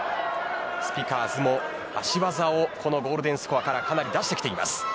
スピカーズも足技をゴールデンスコアからかなり出してきています。